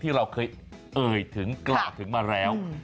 เราเคยเอ่ยถึงกล่าวถึงมาแล้ว